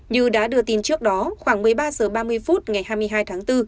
như đã đưa tin trước đó khoảng một mươi ba h ba mươi phút ngày hai mươi hai tháng bốn